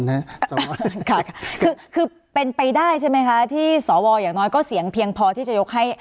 ค่ะคือเป็นไปได้ใช่ไหมคะที่สวอย่างน้อยก็เสียงเพียงพอที่จะยกให้